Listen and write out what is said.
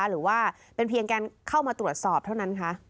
หรือว่าเป็นเพียงการเข้ามาตรวจสอบเท่านั้นคะ